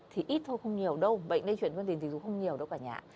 thì ít thôi không nhiều đâu bệnh lây chuyển vấn đề tình dụng không nhiều đâu cả nhà